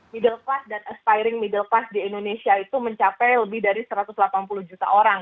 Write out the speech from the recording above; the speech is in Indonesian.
middle class dan aspiring middle class di indonesia itu mencapai lebih dari satu ratus delapan puluh juta orang